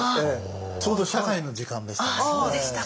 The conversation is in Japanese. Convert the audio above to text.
ちょうど社会の時間でしたね。